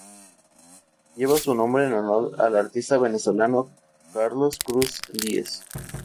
Lleva su nombre en honor al artista venezolano Carlos Cruz Diez.